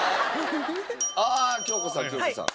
ああ京子さん京子さん。